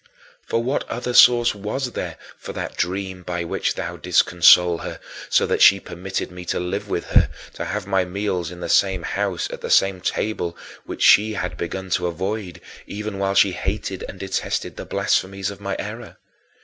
For what other source was there for that dream by which thou didst console her, so that she permitted me to live with her, to have my meals in the same house at the table which she had begun to avoid, even while she hated and detested the blasphemies of my error?